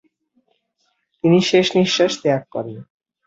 তিনি শেষনিঃশ্বাস ত্যাগ করেন।